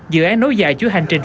dự án nối dạy chú hành trình